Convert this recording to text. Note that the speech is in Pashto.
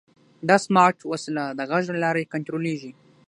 دا سمارټ وسیله د غږ له لارې کنټرولېږي.